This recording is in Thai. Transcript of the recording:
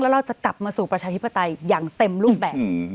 เราจะกลับมาสู่ประชาธิปไตยอย่างเต็มรูปแบบ